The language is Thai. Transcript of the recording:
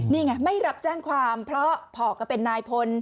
นี่ไงไม่รับแจ้งความเพราะพอก็เป็นนายพล